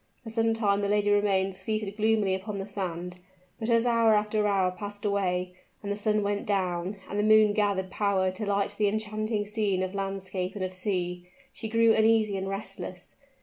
For some time the lady remained seated gloomily upon the sand; but as hour after hour passed away, and the sun went down, and the moon gathered power to light the enchanting scene of landscape and of sea, she grew uneasy and restless.